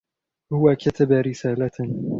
هو كتب رسالةً.